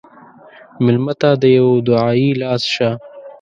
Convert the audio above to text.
مېلمه ته د یوه دعایي لاس شه.